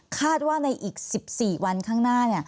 คาดว่าในอีก๑๔วันข้างหน้า